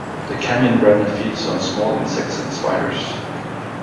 The canyon wren feeds on small insects and spiders.